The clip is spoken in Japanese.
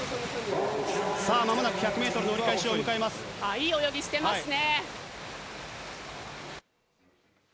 間もなく１００ｍの折り返しいい泳ぎをしてますね。